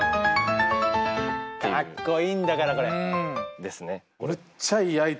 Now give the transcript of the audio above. かっこいいんだからこれ。ですね。